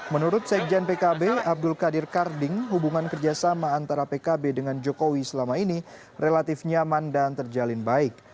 menurut sekjen pkb abdul qadir karding hubungan kerjasama antara pkb dengan jokowi selama ini relatif nyaman dan terjalin baik